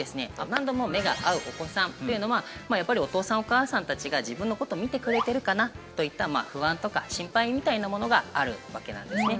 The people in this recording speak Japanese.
何度も目が合うお子さんっていうのはやっぱりお父さんお母さんたちが自分のこと見てくれてるかなといった不安とか心配みたいなものがあるわけなんですね。